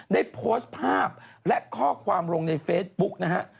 ได้โพสต์ภาพและข้อความลงในเฟซบุ๊กนะฮะ